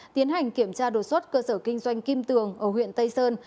tiến hành kiểm tra đột xuất cơ sở kinh doanh kim tường ở huyện tây sơn